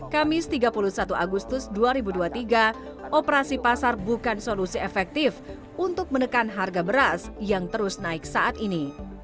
kamis tiga puluh satu agustus dua ribu dua puluh tiga operasi pasar bukan solusi efektif untuk menekan harga beras yang terus naik saat ini